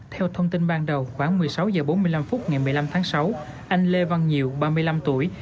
theo thông tin ban đầu khoảng một mươi sáu h bốn mươi năm phút ngày một mươi năm tháng sáu anh lê văn nhiều ba mươi năm tuổi